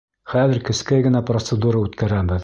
Хәҙер кескәй генә процедура үткәрәбеҙ.